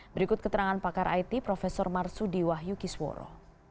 berikut keterangan pakar it prof marsudi wahyu kisworo